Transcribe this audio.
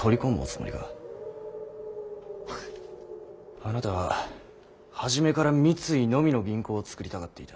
あなたは初めから三井のみの銀行を作りたがっていた。